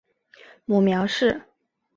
母苗氏。